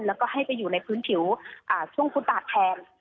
แล้วก็ให้ไปอยู่ในพื้นผิวช่วงฟุตบาทแทน